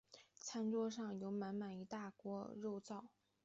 餐桌上有满满一大锅肉燥